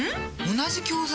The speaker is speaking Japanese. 同じ教材？